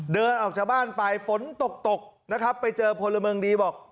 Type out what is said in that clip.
เดินออกจากบ้านไปฝนตกตกนะครับไปเจอพลเมืองดีบอก